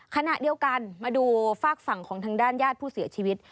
ขณะเดียวกันมาดูฝากฝั่งของทางด้านญาติผู้เสียชีวิต